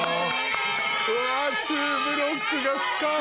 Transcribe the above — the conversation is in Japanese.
うわツーブロックが深い！